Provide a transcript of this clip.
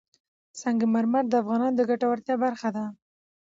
سنگ مرمر د افغانانو د ګټورتیا برخه ده.